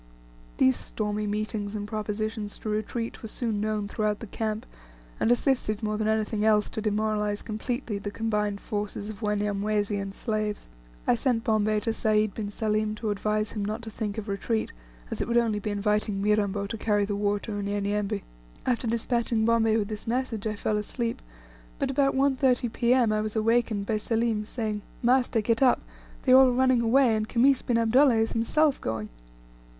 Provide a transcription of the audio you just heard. These stormy meetings and propositions to retreat were soon known throughout the camp, and assisted more than anything else to demoralize completely the combined forces of Wanyamwezi and slaves. I sent Bombay to Sayd bin Salim to advise him not to think of retreat, as it would only be inviting Mirambo to carry the war to Unyanyembe. After, despatching Bombay with this message, I fell asleep, but about 1.30 P.M. I was awakened by Selim saying, "Master, get up, they are all running away, and Khamis bin Abdullah is himself going."